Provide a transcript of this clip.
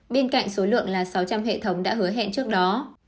bên cạnh số lượng là sáu trăm linh hệ thống đã hứa hẹn trước đó